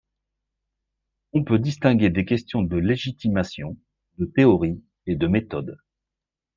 On peut distinguer des questions de légitimation, de théorie et de méthode.